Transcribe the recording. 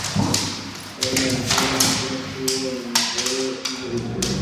En Venezuela no sólo estuvo en radio y televisión.